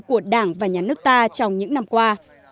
của đảng và nhà nước ta trong những năm qua